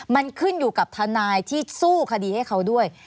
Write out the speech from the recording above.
มันขึ้นอยู่กับทนายที่สู้คดีให้เขาด้วย